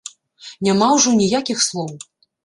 Няма ўжо ніякіх слоў!